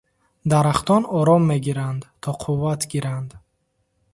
Дарахтон ором мегиранд то қувват гиранд.